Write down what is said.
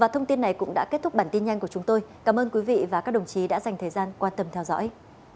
thông tin này cũng đã kết thúc bản tin nhanh của chúng tôi cảm ơn quý vị và các đồng chí đã dành thời gian quan tâm theo dõi